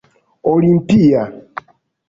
olimpia